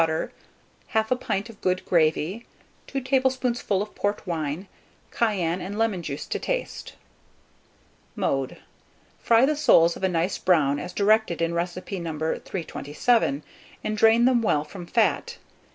butter, 1/2 pint of good gravy, 2 tablespoonfuls of port wine, cayenne and lemon juice to taste. Mode. Fry the soles of a nice brown, as directed in recipe No. 327, and drain them well from fat.